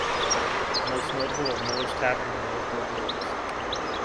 The most notable are Miller's Tavern and Wellsburg Wharf.